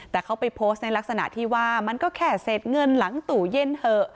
แต่เขาไปโพสต์ในลักษณะที่ว่ามันก็แค่เสร็จเงินหลังตู้เย็นเถอะ